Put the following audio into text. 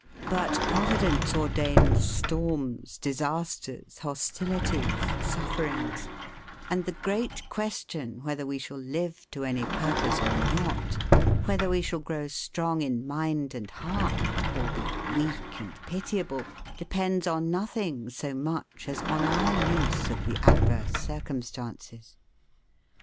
But Providence ordains storms, disasters, hostilities, sufferings; and the great question whether we shall live to any purpose or not, whether we shall grow strong in mind and heart, or be weak and pitiable, depends on nothing so much as on our use of the adverse circumstances.